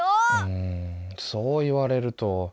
うんそう言われると。